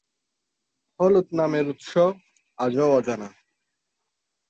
হলুদ নামের উৎস আজও অজানা।